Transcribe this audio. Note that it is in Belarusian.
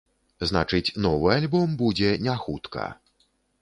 Значыць, новы альбом будзе не хутка.